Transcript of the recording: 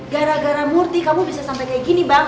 gara gara murti kamu bisa sampai kayak gini bang